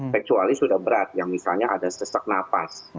kecuali sudah berat yang misalnya ada sesak nafas